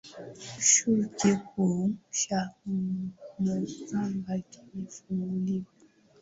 Chuo kikuu cha Mombasa kimefunguliwa